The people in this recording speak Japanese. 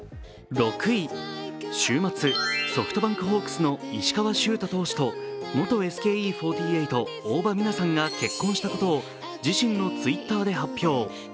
週末、ソフトバンクホークスの石川柊太投手と元ＳＫＥ４８・大場美奈さんが結婚したことを、自身のＴｗｉｔｔｅｒで発表。